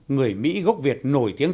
người mỹ gốc việt nổi tiếng